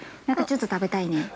なんかちょっと食べたいね。